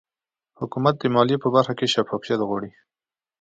حکومت د مالیې په برخه کې شفافیت غواړي